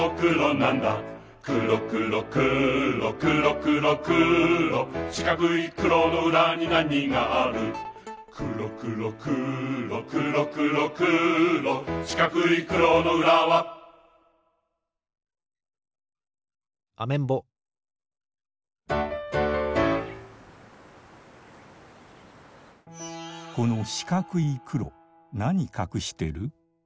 くろくろくろくろくろくろしかくいくろのうらになにがあるくろくろくろくろくろくろしかくいくろのうらはアメンボこのしかくいくろなにかくしてる？